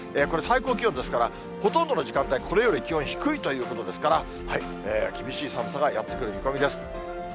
これ、最高気温ですから、ほとんどの時間帯、このように気温低いということですから、厳しい寒さがやって来る見込みです。